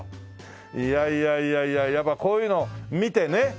いやいやいやいややっぱこういうの見てね。